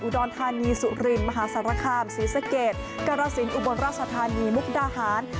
รธานีสุรินมหาสารคามศรีสะเกดกรสินอุบลราชธานีมุกดาหาร